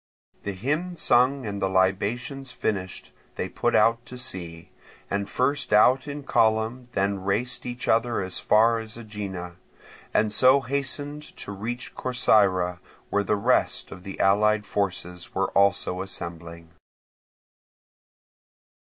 The hymn sung and the libations finished, they put out to sea, and first out in column then raced each other as far as Aegina, and so hastened to reach Corcyra, where the rest of the allied forces were also assembling.